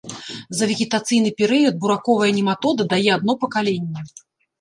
За вегетацыйны перыяд бураковая нематода дае адно пакаленне.